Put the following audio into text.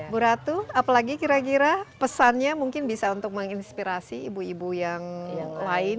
bu ratu apalagi kira kira pesannya mungkin bisa untuk menginspirasi ibu ibu yang lain